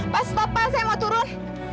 pas stop pas saya mau turun